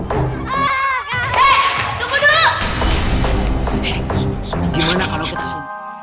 hei tunggu dulu